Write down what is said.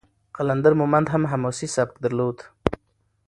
قلندر مومند هم حماسي سبک درلود.